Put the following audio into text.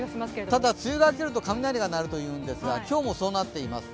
ただ、梅雨が明けると雷が鳴るというんですが、今日もそうなってます。